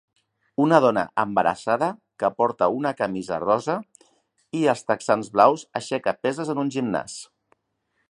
Una dona embarassada que porta una camisa Rosa i els texans blaus aixeca peses en un gimnàs.